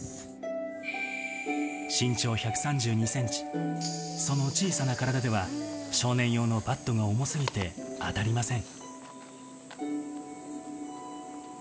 身長１３２センチ、その小さな体では、少年用のバットが重すぎて当たりません。